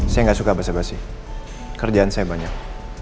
saya nggak suka basa basi kerjaan saya banyak